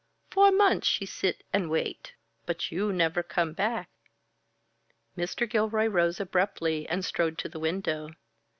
Four months she sit and wait but you never come back." Mr. Gilroy rose abruptly and strode to the window.